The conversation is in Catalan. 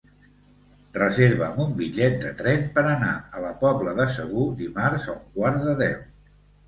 Reserva'm un bitllet de tren per anar a la Pobla de Segur dimarts a un quart de deu.